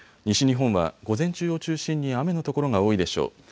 西日本は午前中を中心に雨の所が多いでしょう。